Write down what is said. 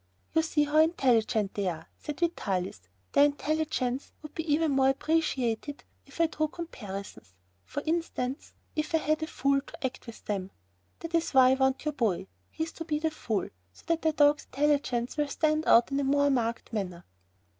"You see how intelligent they are," said Vitalis; "their intelligence would be even more appreciated if I drew comparisons. For instance, if I had a fool to act with them. That is why I want your boy. He is to be the fool so that the dogs' intelligence will stand out in a more marked manner."